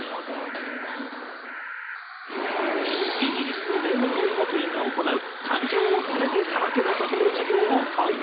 イギリスの名門音楽院が行う感情を全てさらけ出させる授業を再現！